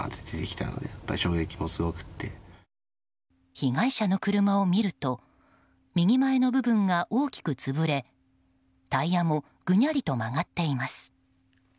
被害者の車を見ると右前の部分が大きく潰れタイヤもぐにゃりと曲がっています。